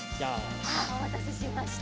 おまたせしました。